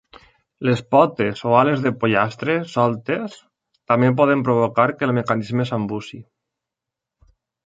Les potes o ales de pollastres soltes també poden provocar que el mecanisme s'embussi.